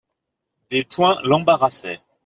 Des points l'embarrassaient.